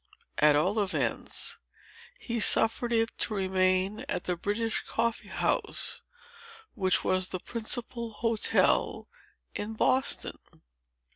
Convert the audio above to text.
At all events, he suffered it to remain at the British Coffee House, which was the principal hotel in Boston.